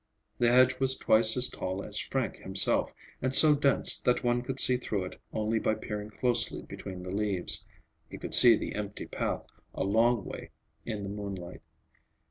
The hedge was twice as tall as Frank himself, and so dense that one could see through it only by peering closely between the leaves. He could see the empty path a long way in the moonlight.